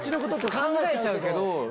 考えちゃうけど。